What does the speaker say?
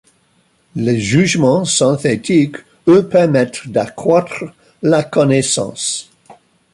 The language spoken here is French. Les jugements synthétiques eux permettent d'accroître la connaissance.